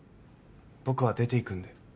僕は出て行くので。